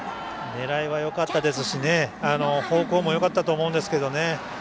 狙いはよかったですし方向もよかったと思うんですけど。